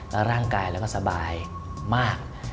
แล้วร่างกายเราก็สบายมาก